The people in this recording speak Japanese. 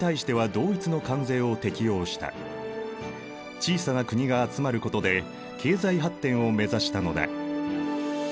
小さな国が集まることで経済発展を目指したのだ。